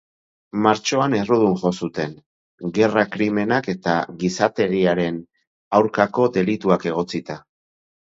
Martxoan errudun jo zuten, gerra krimenak eta gizarteriaren aurkako delituak egotzita.